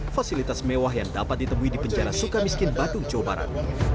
fasilitas mewah yang dapat ditemui di penjara sukamiskin batung jawa barat